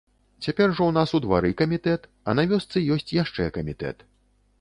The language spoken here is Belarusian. Цяпер жа ў нас у двары камітэт, а на вёсцы ёсць яшчэ камітэт.